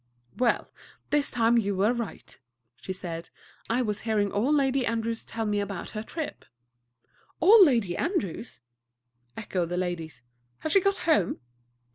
"Well, this time you were right," she said. "I was hearing Old Lady Andrews tell about her trip." "Old Lady Andrews?" echoed the ladies. "Has she got home?"